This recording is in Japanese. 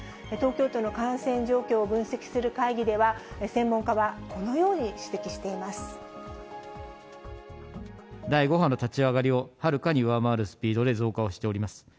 東京都の感染状況を分析する会議では、専門家はこのように指摘し第５波の立ち上がりをはるかに上回るスピードで増加をしております。